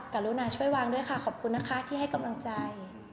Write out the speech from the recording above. กรุณาช่วยวางด้วยค่ะขอบคุณนะคะที่ให้กำลังใจ